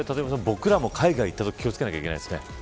僕らも海外に行ったとき気を付けないといけないですね。